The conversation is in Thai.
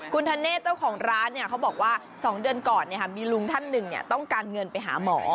คุณธเนธเจ้าของร้านเขาบอกว่า๒เดือนก่อนมีลุงท่านหนึ่งต้องการเงินไปหาหมอ